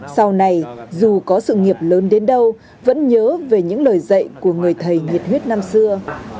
sau này dù có sự nghiệp lớn đến đâu vẫn nhớ về những lời dạy của người thầy nhiệt huyết năm xưa